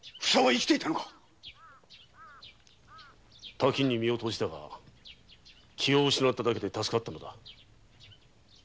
滝に身を投じたが気を失っただけで助かったのだ。